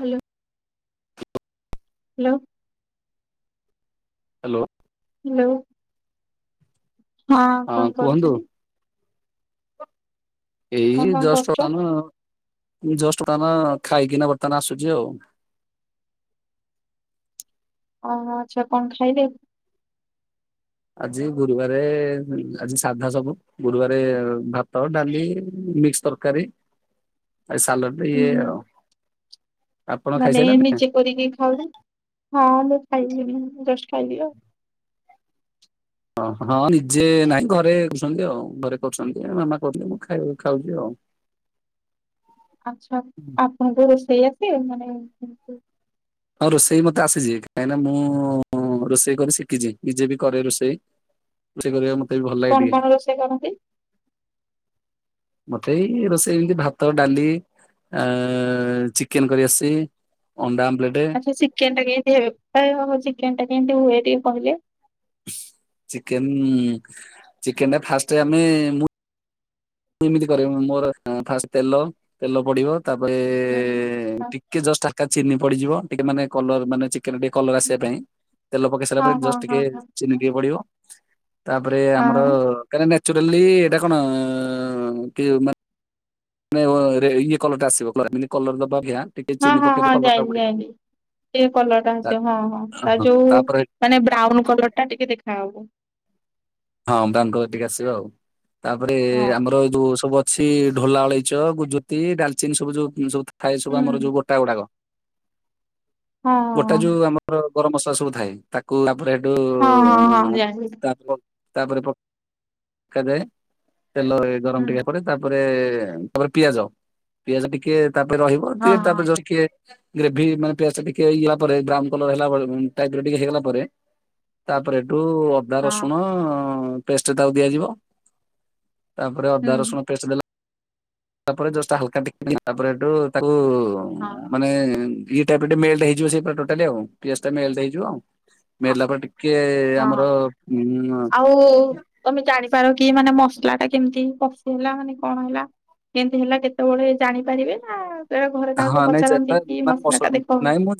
Hello hello. Hello? Hello. ହଁ କଣ କରୁଛନ୍ତି? କଣ ଏଇ କଣ ଜଷ୍ଟ କରୁଛ? କାନ। ମୁଁ ଜଷ୍ଟ କାନ ଖାଇକିନା ବର୍ତ୍ତମାନ ଆସୁଛି ଆଉ। ଓ ଆଚ୍ଛା କଣ ଖାଇଲେ? ଆଜି ଗୁରୁବାରେ- ଆଜି ସାଧା ସବୁ ଗୁରୁବାର ଭାତ, ଡାଲି ମିକ୍ସ ତରକାରୀ। ଆଉ ସାଲଡ ହୁଁ ଇଏ ହୁଁ ଆଉ ଆପଣ ମାନେ ଖାଇସାରିଲେଣି? ନିିଜେ କରିକି ଖାଉ। ହଁ ମୁଁ ଖାଇଲିନି ଜଷ୍ଟ ଖାଇଲିି ଆଉ। ଓ ହଁ ନିଜେ ନା ଘରେ କରୁଛନ୍ତି ଆଉ ଘରେ କରୁଛନ୍ତି ମାମା କରୁଛନ୍ତି ମୁଁ ଖାଉ ଖାଉଛି ଆଉ। ଆଚ୍ଛା ଆପଣଙ୍କୁ ରୋଷେଇ ଆସେ? ମାନେ ଏମିତି ହଁ ରୋଷେଇ ମତେ ଆସିଛି କାହିଁକିନା ମୁଁ- ରୋଷେଇ କରି ଶିଖିଛି ନିଜେ ବି କରେ ରୋଷେଇ। ରୋଷେଇ କରିବା ମୁଁ କଣ କଣ ରୋଷେଇ କରନ୍ତି? ମତେ ଏଇ ରୋଷେଇ ଏମିତି ଭାତ ଡାଲି ଆ- ଚିକେନ କରିଆସିସି ଅଣ୍ଡା ଆମ୍ଲେ ଆଛା ଚିକେନ୍ ଟା କେମିତି ହୁଏ? ପା-ଚିକେନ ଟା କେମିତି ହୁଏ ଟିକେ କହିଲେ? ଚିକେନ-ଚିକେନ ଫାଷ୍ଟ ଆମେ ମୁ ଏମତି କରିବ ମୋର ଫାଷ୍ଟ ତେଲ ତେଲ ପଡିବ ହୁଁ ହୁଁ ତାପରେ- ଟିକେ ଜଷ୍ଟ ହାକା ଚିନି ପଡିଯିବ ଟିକେ ମାନେ କଲର ମାନେ ଚିକେନ ଟିକେ କଲର ଆସିବା ପାଇଁ ତେଲ ପକେଇ ସାରିଲା ହଁ ପରେ ହଁ ଜଷ୍ଟ ହଁ ଟିକେ ହଁ ଚିନିିକେ ପଡିବ। ତାପରେ ହଁ ଆମର କାଁନ୍ୟାଚୁରାଲି ଏଇଟା କଣ କି ମାନ ଇ କଲର ଟା ଆସିବ କର ଟେ ଚିନି ପକେଇ କଲର ଟା ବଢିଆ ହିବ। ସେ କଲର ଟା ଅସ ହଁ ହଁ ତା ଯୋଉ ତାପରେ ମାନେ ବ୍ରାଉନ କଲର ଟା ଟିକେ ଦେଖାହବ। ହଁ ବ୍ରାମ ଟିକେ ଆସିବା ଆଉ ତାପରେ ହଁ ଆମର ଏଇ ଯୋଉ ସବୁ ଅଛି ଢୋଲା ଅଳେଇଚ ଗୁଜୁତି ଡାଲଚିନି ସବୁ ଯୋଉ ସବୁ ଥାଏ ସବୁ ଆମର ହୁଁ। ଯୋଉ ଗୋଟା ଗୁଡାକ ହଁ ଗୋଟେ ଯୋଉ ଆମର ଗରମ ମସଲା ସବୁ ଥାଏ ତାକୁ ବ୍ରେଡ଼- ହଁ ହଁ ହଁ ଜାଣିଲି ଉଁ-ତାପ ତାପରେ ପ- ପକାଯାଏ ତେଲ ଗରମ ହୁଁ ଟିକେ ତାପରେ ତାପରେ ପିଆଜ ପିଆଜ ଟିକେ ତାପରେ ରହିବ ହଁ ଟିକେ ହଁ ତାପରେେ ଜଷ୍ଟ ଟିକେ ଗ୍ରେଭି ମାନେ ପିଆଜ ଟା ଟିକେ ହେଇଗଲା ପରେ ବ୍ରାଉନ କଲର ହେଲା ଟାଇପ୍ ର ଟିକେ ହେଇଗଲା ପରେ ତାପରେ ଏଠୁ ଅଦା ହଁ ରସୁଣ ପେଷ୍ଟ ତାକୁ ଦିଆଯିବ। ତାପରେ ହୁଁ ଅଦା ରସୁଣ ପେଷ୍ଟ ଦେଲା ତା ପରେ ଜଷ୍ଟ୍ ହାଲକା ଟିକ ହାଲକା ଟିକେ ତାପରେ ହେଠୁ ହଁ ମାନେ ଇ ଟ ମ ହେଇଯିବ ସେଇାଟା ପିଆ ଟା ହେଇଯିବ। ହଁ ମଳିଲା ପରେ ଟିକେ ଆମର ହଁ ଉ ଆଉ ତମେ ଜାଣିପାର କି? ମାନେ ମସଲା ଟା କେମିତି କଷି ହେଲା ମାନେ କଣ ହେଲା? କେମତି ହେଲା କେତେବେଳେ ଜାଣିପାରିବେ ନା ବେଳେ ଘରେ କାହାକୁ ହଁ ନାଇଁ ପଚାରନ୍ତି କି ମସଲା ଟା ଦେଖ ନାଇଁ ମୁଁ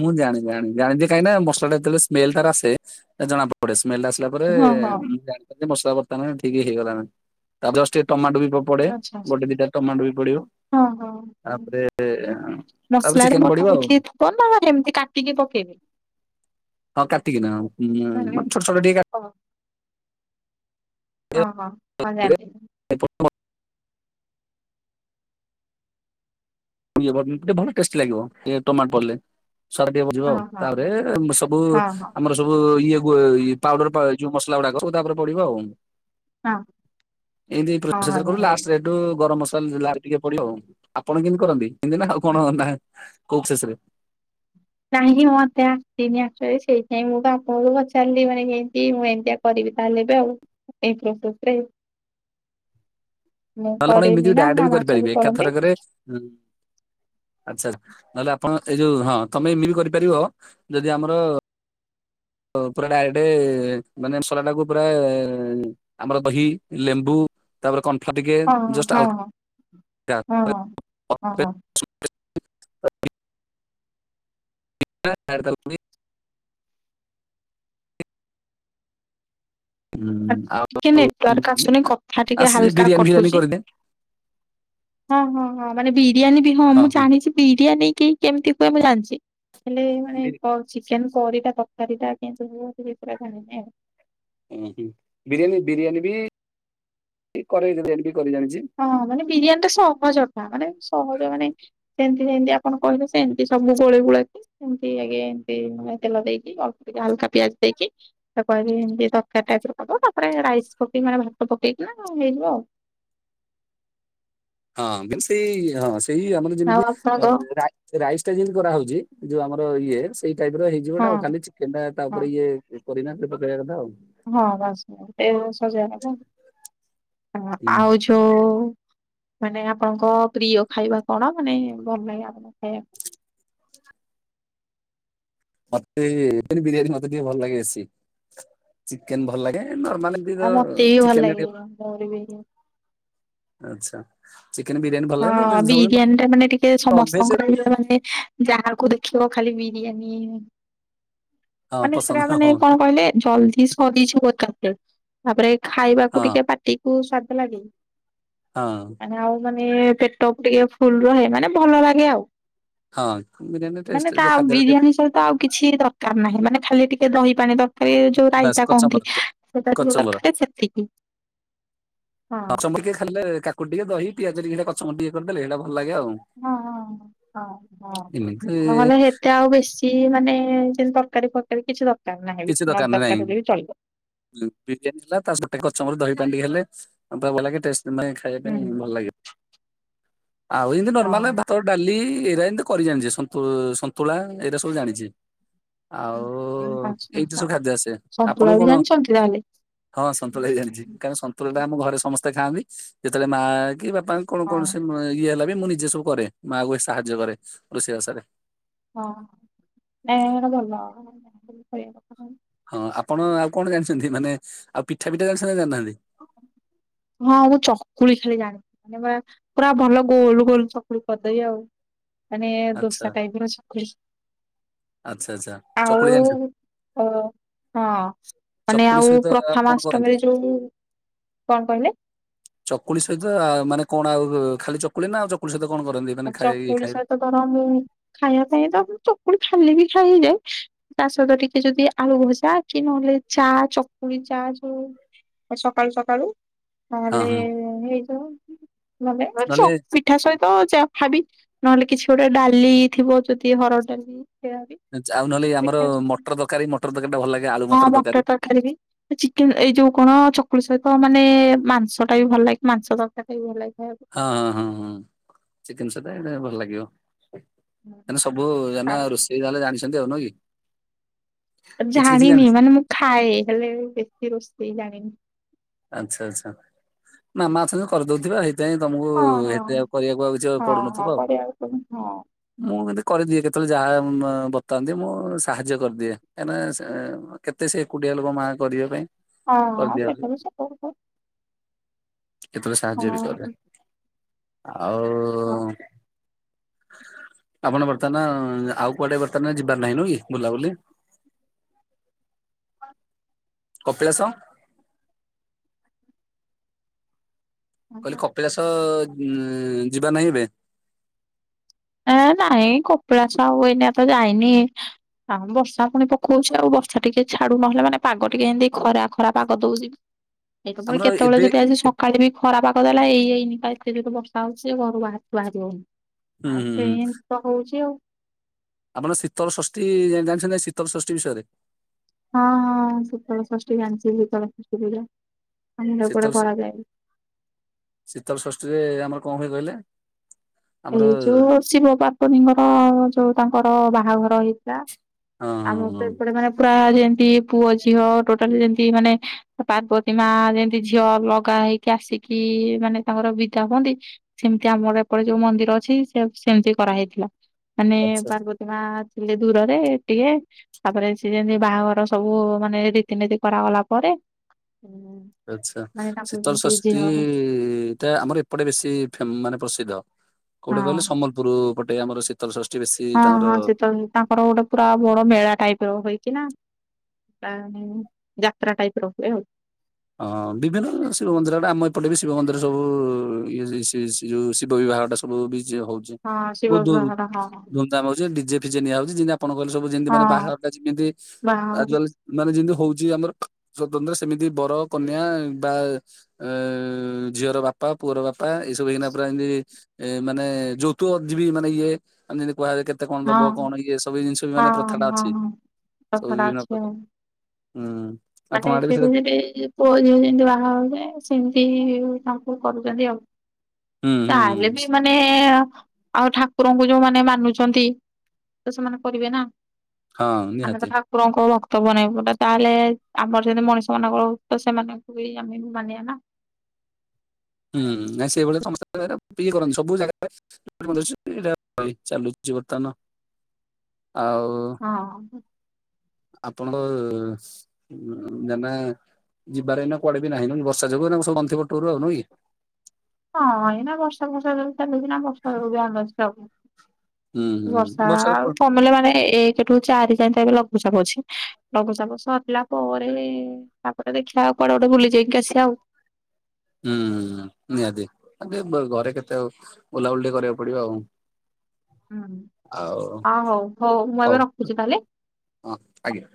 ମୁଁ ଜାଣି ଜାଣି ଜାଣିି କାହିଁ ନାଁ ଯେତେବେ ସ୍ମଲ ଟା ଆସେ ଜଣା ପଡେ ସ୍ମେଲ ଆସିଲା ପରେ ହଁ ହଁ ମୁଁ ଜାଣି ମସଲା ବତ୍ତମାନ ଠିକ ହେଇଗଲାନ ଜଷ୍ଟ୍ ଟମାଟୋ ବି ପଡେ ଆଚ୍ଛା ଆଚ୍ଛା ଗୋଟେ ଦିଟା ଟମାଟ ବି ପଡିବ ତାପରେ ତାପରେ ମସଲା ଚିକେନ ପଡିବ ମୋଟା ଆଉ ଉଠିକି ଥିବ ନା ଆ ଏମିତି କାଟିକି ପକେଇବି? ହଁ କାଟିକିନା ହୁଁ ମାନେ ଛୋଟ ଛୋଟ ଟିକେ କା- ଓ ହଁ ହଁ ହଁ ଜାଣିଲି। [unintelligible] ଟିକେ ଭଲ ଟେଷ୍ଟ ଲାଗିବ ଟମାଟ ପଡ଼ିଲେ। ସାର ଟିକେ ବଜିବା ହଁ ଆଉ ହଁ ତାପରେ ହଁ ସବୁ ହଁ ହଁ ଆମର ସବୁ ଇଏ ପାଉଡର ଯୋଉଁ ମସଲା ଗୁଡାକ ତା ଉପରେ ପଡିବ ଆଉ। ହଁ ଏମତି ହଁ ପ୍ରୋସେସ ହଁ ରେ କରୁ ଜାଣିଲି। ଲାଷ୍ଟ ରେ ଗରମ ମସ [unintelligible] ଟିକେ ପଡିବ ଆପଣ କେମତି କରନ୍ତି କେମତି ନା ଆଉ କଣ ନା କୋଉଁ ଶେଷରେ କାହିଁକି ମତେ ତିନି ଆସରେ ସେଇଥିପାଇଁ ମୁଁ ତ ଆପଣଙ୍କୁ ପଚାରିଲି ମାନେ କେମତି ମୁଁ ଏମିତିଆ କରିବି ତାହେଲେ ବି ଆଉ। ଏଇ ପ୍ରୋସେସରେ। ନହେଲେ ଆପଣ ଏମିତି ଡାଇରେକଟ ବି କରିପାରିବେ ଏକାଥରକରେ ଆଛା ନହେଲେ ଆ ଆପଣ ଏଇ ଯୋଉ ହଁ ତମେ ଏମିତି ବି କରିପାରିବ ଯଦି ଆମର ପୁରା ଡାଇରେକ୍ଟ ମାନେ ମସଲା ଟାକୁ ପୁରା ଆମର ଦହି ଲେମ୍ବୁ ତାପରେ କନଫ୍ଲୋର ଟିକେ ହଁ ଯଷ୍ଟ ହଁ ହଁ ହାଲକ ହଁ ହଁ ହଁ। ହଁ ହଁ [unintelligible] [inaudible] ଟିକେ ନେଟୱାର୍କ ଆଉ ଆସୁନ କଥା ଟିକେ ଆସ ହାଲକା ବିରିୟାନୀ ଫିରିୟାନୀ କଟୁଛି। କରିଦିଏ [inaudible] ହଁ ହଁ ହଁ ମାନେ ବିରିୟାନୀ ବି ହଁ ମୁଁ ଜାଣିଛି ବିରିୟାନୀ କେହି କେମିତି ହୁଏ ମୁଁ ଜାଣିଛି। ହେଲେ ମାନେ ବିରି ଚିକେନ କରୀ ତରକାରୀ ଟା କେମିତି ହୁଏ ଜାଣିନି ଆଉ ହଁ ହୁଁ, ବିରିୟାନୀ ବିରିୟାନୀ ବି କରେଇ ଦେବେ। ହଁ ମାନେ ବିରିୟାନୀ ଟା ସହଜ ଟା ମାନେ ସହଜ ମାନେ ସେମିତି ସେମିତି ଆପଣ କହିଲେ ସେମିତି ସବୁ ଗୋଳି ଗୋଳାକି ସେମିତି ଆଗେ ଏମିତି ମେ ତେଲ ଦେଇକି ଅଳ୍ପ ଟିକେ ହଲକା ପିଆଜ ଦେଇକି ତା ପରେ ଏମିତି ତରକାରୀ ଟାଇପ ହବ ତାପରେ ରାଇସ୍ ପକେଇି କି ମାନେ ଭାତ ପକେଇକି କ ହେଇଯିବ। ହଁ ସେଇ ହଁ ସେଇ ଆମର ଆଉ ଯେମିତି ଆପଣଙ୍କ ରାଇସ ଟା ଯେମିତି କରାହଉଛି ଯୋଉଁ ଆମର ଇଏ ସେଇ ଟାଇପ ର ହଁ ହେଇଯିବଟା ଆଉ ଖାଲି ଚିକେନ ଟା ତା ହଁ ଉପରେ ଇଏ ପୋଦିନା ପତ୍ର ପକେଇବା କଥା ଆଉ ହଁ ବାସ୍। ହୁଁ ଆଉ ଯୋଉଁ ମାନେ ଆପଣଙ୍କ ପ୍ରିୟ ଖାଇବା କଣ ମାନେ ଭଲ ଲାଗେ ଆପଣଙ୍କ ଖାଇବାକୁ? [unintelligible] ମତେ ବିରିୟାନୀ ମତେ ଟିକେ ଭଲ ଲାଗେ ବେଶୀ ଚିକେନ ଭଲ ଲାଗେ। ମାନେ ଆଉ ମତେ [unintelligible] ବି ଭଲ ଚିକେନ ଲାଗେ ମୋର ବି ଆଛା [inaudible] ହଁ ବିରିୟାନୀ ଟା ମାନେ ଟିକେ ନନଭେଜ ସମସ୍ତଙ୍କର ମାନେ ଯାହାକୁ ଦେଖି କେଉ ଖାଲି ବିରିୟାନୀ? ହଁ ମାନେ ପସନ୍ଦ ସେଟା ମାନେ ହଁ କଣ କହିଲେ ଜଲଦି ସରିଯିବ ତାରେ ତାପରେ ଖାଇବାକୁ ହଁ ଟିକେ ପାଟି କୁ ସ୍ଵାଦ ଲାଗେନି। ହଁ। ମାନେ ପେଟକୁ ଟିକେ ଫୁଲ ରହେ ମାନେ ଭଲ ଲାଗେ ଆଉ। ହଁ ବିରିୟାନୀ ମାନେ ଟେଷ୍ଟ ତା ଖାଦ୍ୟ ଟା ଟିକେ ବିରିୟାନୀ ସହିତ ଆଉ କିଛି ଦରକାର ନାହିଁ। ମାନେ ଖାଲି ଟିକେ ଦହି ପାଣି ତ କାରି ଯୋଉଁ ବାସ୍ ରାଇତା କହନ୍ତି କଚମ୍ବର ସେଟା ଟ ଦରକାର ସେତିକି। ହଁ କଚମବର ଟିକେ ଖାଲେ କାକୁ ଟିକେ ଦହି ପିଆଜ ଟିକଟ କଚମବର ଟିକେ କରିଦେଲେ ସେଇଟା ଭଲ ଲାଗେ ଆଉ। ହଁ ହ ହଁ ଏମିତି ହ ନହେଲେ ସେତେ ଆଉ ବେଶୀ ମାନେ ତରକାରୀ ଫରକାରୀ କିଛି ଦରକାର ନାହିଁ। ବି କିଛି ନ ଦୋକାନରେ ଦରକାର ହେଲେ ବି ଚଳିବ। ନହିଁ ବିରିୟାନୀ ହେଲା ତା ସାଙ୍ଗେ କଚମବର ଦହି ପାଣିହେଲେ ଆ ଭଲ ଲାଗେେ ଖାଇବା ପାଇଁ ହୁଁ। ଭଲ ଲାଗେ। ଆଉ ଏମିତି ନର୍ମାଲ ହଁ ଭାତ ଡାଲି ଏଇରା ଏମିତି କରି ଜାଣିଛେ ସୁ ସନ୍ତୁଳା ଏଇଟା ସବୁ ଜାଣିଛେ ଆଉ ଏଇଠି ଆଚ୍ଛା ଖାଦ୍ୟ ସେ ଆପଣ ସନ୍ତୁଳା ଙ୍କୁ ବି କଣ ଜାଣିଛନ୍ତି ତାହେଲେ? ହଁ ସନ୍ତୁଳା ହି ଜାଣିଛି କାରଣ ସନ୍ତୁଳା ଆମ ଘରେ ସମସ୍ତେ ଖାଆନ୍ତି ଯେତେବେଳେ ମା କି ବାପା କଣ କଣ ହଁ। ଇଏ ହେଲା ଏବେ ମୁଁ ନିଜେ ସବୁ କରେ ମାଆ କୁ ସାହାଯ୍ୟ କରେ ରୋଷେଇ ବାଷରେ। ହଁ ନାଇଁ ଏଇଟା ଭଲ [unintelligible] ହଁ ଆପଣ ଆଉ କଣ ଜାଣିଛନ୍ତି ମାନେ ଆଉ ପିଠା ପିଠା ଜାଣିଛନ୍ତି ଜାଣିନାହାନ୍ତି? ହଁ ମୁଁ ଆଗ ଚକୁଳି ଖାଇଲାଣି। ମାନେ ମା ପୁରା ଭଲ ଗୋଲ ଗୋଲ ଚକୁଳି କରିଦେବି ଆଉ। ମାନେ ଆଚ୍ଛା ଦୋସା ଟାଇପିର ଚକୁଳି। ଆଚ୍ଛା ଆଚ୍ଛା ଆଉ ଚକୁଳି ଜାଣିଛନ୍ତି ଓ ହଁ। ମାନେ ଚକୁଳି ଆଉ ସହିତ କଣ କରନ୍ତି? ପ୍ରଥମାଷ୍ଟମୀରେ ଯୋଉ କଣ କହିଲେ? ଚକୁଳି ସହିତ ମାନେ କଣ ଆଉ ଖାଲି ଚକୁଳି ନା ଆଉ ଚକୁଳି ସହିତ କଣ କରନ୍ତି ମାନେ ଖାଇ ଇଏ ଚକୁଳି ଖାଇ ସହିତ କଣ ମୁଁ ଖାଇବା ପାଇଁ ତ ଚକୁଳି ଖାଲି ବି ଖାଇ ହେଇ ଯାଏ। ତା ସହିତ ଟିକେ ଯଦି ଆଳୁ ଭଜା କି ନହେଲେ ଚା ଚକୁଳି ଚା ଯୋଉ ସକାଳୁ ସକାଳୁ ହଁ ନହେଲେ ହଁ ହେଇଯୋଉ ମାନେ ଚ ନହେଲେ ପିଠା ସହିତ ଚ ଖାଇବି ନହେଲେ କିଛି ଗୋଟେ ଡାଲି ଥିବ ଯଦି ହରଡ ଡାଲି ସେୟା ବି ଆଉ ନହେଲେ ଆମର ପିଠା ମଟର ତରକାରୀ ମଟର ତରକାରୀ ଟା ଭଲ ଲାଗେ ଆଳୁ ହଁ ମଟର ତରକାରୀ। ତରକାରି ବି ଚିକେନେ ଏଇ ଯୋଉ କଣ ଚକୁଳି ସହିତ ମାନେ ମାଂସ ଟା ବି ଭଲ ଲାଗେ। ମାଂସ ତରକାରି ଟା ବି ଭଲ ଲାଗେ। ଖାଇବାକୁ। ହଁ ହଁ ହଁ ହଁ ଚିକେନେ ସଇତ ଏଇଟା ଭଲ ଲାଗିବ। ଏରାସବୁ ଆଉ ରୋଷେଇ ତାହଲେ ଜାଣିଛନ୍ତି ଆଉ ନୁଁହକି? ଜାଣିନି ମାନେ ମୁଁ ଖାଏ ହେଲେ ବେଶୀ ରୋଷେଇ ଜାଣିନି। ଆଛା ଆଛା ମାମା ଅଛନ୍ତି କରିଦଉଥିବେ ହେଇ ସେଥିାପାଇଁ ତମକୁ ହଁ ହଁ ହେତେ କରିବାକୁ ଆଉ କିଛି ହଁ ହଁ ପଡୁନଥିବ ଆଉ। କରିବାକୁ ପଡିବ ମୁଁ କିନ୍ତୁ କରିଦିଏ କେତଳେ ଯାହା ବତାନ୍ତି ମୁଁ ସାହାଯ୍ୟ କରିଦିଏ କାହିଁକିନା କେତେ ସେ ଏକୁଟିଆ ଲୋକ ମାଆ କରିବା ପାଇଁ। ହଁ ହଁ କରିଦିଏ ସେଟା ବି ସତ। କଥା କେତେବେଳେ ସାହାଯ୍ୟ ବିି କରେ। ଆଉ ହଉ। ଆପଣ ବର୍ତ୍ତମାନ ଆଉ କୁଆଡେ ବର୍ତ୍ତମାନ ଯିବାର ନାହିଁ ନୁ ହେକି ବୁଲାବୁଲି? ହ ହଁ। କପିଳାସ? କହିଲି ହଁ। କପିଳାସ ଯିବାର ନାହିଁ ଏବେ? ଏ ନାଇଁ କପିଳାସ ଆଉ ଏଇନେ ତ ଯାଇନି। ଆଉ ବର୍ଷା ପୁଣି ପକଉଛି ଆଉ ବର୍ଷା ଟିକେ ଛାଡୁ ନହେଲେ ମାନେ ପାଗ ଟିକେ ଏମିତି ଖରା ଖରା ପାଗ ଦଉଛିିବି। ଏଇ ତ ପୁଣି ଆମର କେତେବେଳେ ଏବେ ଯଦି ଆଜି ଏ- ସକାଳେ ବି ଖରା ପାାଗ ଦେଲା ହେଇହେଇନି। ଆ ଏତେ ଯୋରେ ବର୍ଷା ହଉଛି ଯେ ଘରୁ ବାହାରକୁ ବାହାରି ହଉନି ହୁଁ ଆଉ ହୁଁ ସେ ହୁଁ ଏମିତି ତ ହଉଛି ଆଉ। ଆପଣ ଶୀତଳ ଷଷ୍ଠୀ ଜାଣିଛନ୍ତି ନା ଶୀତଳ ଷଷ୍ଠୀ ବିଷୟରେ? ହଁ ହଁ ଶୀତଳ ଷଷ୍ଠୀ ଜାଣିଛି ଶୀତଳ ଷଷ୍ଠୀ ପୂଜା। ଆମର ଏପଟେ ଶୀତଲ କରାଯାଏ। ଶୀତଳ ଷଷ୍ଠୀରେ ଆମର କଣ ହୁଏ କହିଲେ? ଆମର ଏଇ ଯୋଉ ଶିବ ପାର୍ବତିଙ୍କର ଯୋଉ ତାଙ୍କର ବାହାଘର ହେଇଥିଲା। ହଁ ଆମ ହଁ ତ ହଁ ଏପଟେ ମାନେ ପୁରା ଯେମତି ପୁଅ ଝିଅ ଟୋଟାଲି ଯେମତି ମାନେ ପାର୍ବତୀ ମା ଯେମିତି ଝିଅ ଅଲଗା ହେଇକି ଆସିକି ମାନେ ତାଙ୍କର ବିଦା ହୁଅନ୍ତି ସେମିତି ଆମର ଏପଟେ ଯୋଉ ମନ୍ଦିର ଅଛି ସେ ସେମିତି କରାହେଇଥିଲା ମାନେ ଆଚ୍ଛା ପାର୍ବତୀ ମା ଥିଲେ ଦୂରରେ ଟିକେ ତାପରେ ସିଏ ଯେମତି ବାହାଘର ସବୁ ମାନେ ରୀତିନୀତି କରାଗଲା ପରେ ହ ଆଛା ଝିଅ ଶୀତଳଷଷ୍ଠୀ ହଁ ଟା ପ୍ରାୟ ଆମର ଏପଟେ ବେଶୀ ମାନେ ପ୍ରସିଦ୍ଧ। କୋଉଟେ କହିଲେ ସମ୍ବଲପୁର ପଟେ ଆମର ଶୀତ ଷଷ୍ଟି ହଁ ହଁ ଶିତଳ ତାଙ୍କର ଗୋଟେ ପୁରା ବଡ ମେଳା ଟାଇପିର ହୋଇକି ନା ତା ନି ଯାତ୍ରା ଟାଇପିର ହୁଏ ଆଉ। ହଁ ବିଭିନ୍ନ ଶିବ ମନ୍ଦିର ଆଡେ ଆମ ଏପଟେ ବି ଶିବ ମନ୍ଦିର ସବୁ ଇଏ ଯଉ ଶିବ ଶିବବିହ ପ୍ରାୟ ତ ସବୁ ବିଜୟ ହଉଛି ହଁ ଶିବ ବହୁତ ବିବାହର ହଁ ଧୁମଧାମ ହଉଛି ଡିଜେ ଫିଜେ ନିଆ ହଉଛି। କଣ କହିଲେ ସବୁ ଯେମତି ମାନେ ହଁ। ବାହାଘରଟା ଯେମିତି ବାଓ ଆଜିକାଲି ମାନେ ଯେମତି ହଉଛି ଆମର ସ୍ଵତନ୍ତ୍ର ସେମିତି ବର କନ୍ୟା ବା ଏ ଝିଅର ବାପା ପୁଅର ବାପା ଏଇସବୁ ହେଇନା ପୁରା ଏମତି ଏ ମାନେ ଯୌତୁକ ଯିବି ମାନେ ଇଏ ଆମେ କୁହାଯାଏ କେତେ କଣ ଦବ? ହଁ କଣ ଇଏ ସବୁ ଜିନିଷ ବି ମାନେ ପ୍ରଥାଟା ଅଛି। ସବୁ ପ୍ରଥା ଟା ବିଭିନ୍ନ ଅଛି ପ୍ରକାର ଆଉ ହୁଁ ଉଁ ମାନେ ସେଥି ଯେମିତି ପୁଅଝିଅ ଯେମତି ବାହା ହୋଇଥାଏ ସେମତି ତାଙ୍କୁ କରୁଛନ୍ତି ଆଉ ହୁଁ ହୁଁ ତାହେଲେ ବି ମାନେ ଆଉ ଠାକୁରଙ୍କୁ ଯୋଉମାନେ ମାନୁଛନ୍ତି, ତ ସେମାନେ କରିବେ ନା ହଁ ଆମେତ ନିହାତି। ଠାକୁରଙ୍କ ଭକ୍ତ ବନେଇବୁ ନା ତାହାଲେ ଆମର ଯେମିତି ମଣିଷ ମାନଙ୍କର ଭକ୍ତ ସେମାନଙ୍କୁ ବି ଆମେ ମାନିବା ନା। ହୁଁ ନାଇଁ ସେଇଭଳିଆ ସମସ୍ତେ [unintelligible] ଇଏ କରନ୍ତି ସବୁ ଜାଗାରେ ଏଇଟା ଚାଲଛି, ଚାଲୁ ଆଜି ବର୍ତ୍ତମାନ୍ [inaudible] ହଁ ଅଁ ଆପଣ [unintelligible] ଯିବାରେ ଏ କୁଆଡେ ବି ନାହିଁ, ବର୍ଷା ଯୋଗୁ ତା ସବୁ ବନ୍ଦଥିବ ଟୁରୁ ଆଉ ନୁ କି? ହଁ ଏଇନା ବର୍ଷା ଫର୍ଷା ଯଉ ଚାଲଛି ନା [unintelligible] ହୁଁ ହୁଁ ବର୍ଷା ବର୍ଷାରେ ଆଉ କୁଆଡେ କମିଲେ ମାନେ ଏକଠୁ ଚାରି [unintelligible] ଲଘୁଚାପ ଅଛି। ଲଘୁଚାପ ସରିଲା ପରେ ତାପରେ ଦେଖିବାଆଉ କୁଆଡେ ଗୋଟେ ବୁଲି ଯାଇକି ଆସିବା ଆଉ [inaudible] ହୁଁ ନିହାତି ଘରେ କେତେ ଆଉ ବୁଲାବୁଲି କରିବାକୁ ପଡିବ ଆଉ ହୁଁ ଆଉ ଆ ହଉ, ହଉ ମୁଁ ଏବେ ରଖୁଛି ତାହେଲେ ହଁ ଆଜ୍ଞା।